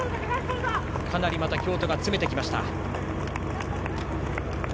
かなり京都が詰めてきました。